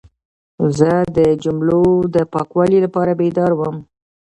زه د جملو د پاکوالي لپاره بیدار وم.